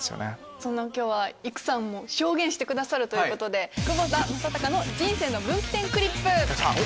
そんな今日は育さんも証言してくださるということで窪田正孝の人生の分岐点クリップ。